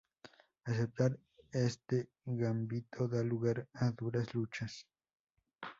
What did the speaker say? Aceptar este gambito da lugar a duras luchas.